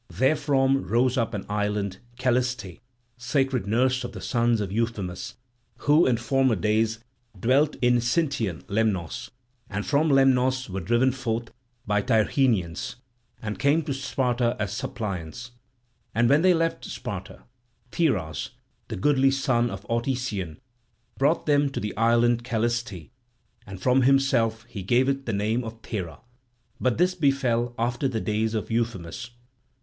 Therefrom rose up an island, Calliste, sacred nurse of the sons of Euphemus, who in former days dwelt in Sintian Lemnos, and from Lemnos were driven forth by Tyrrhenians and came to Sparta as suppliants; and when they left Sparta, Theras, the goodly son of Autesion, brought them to the island Calliste, and from himself he gave it the name of Thera. But this befell after the days of Euphemus.